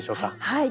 はい。